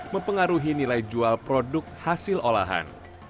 mempengaruhi nilai jual produk hasil olahan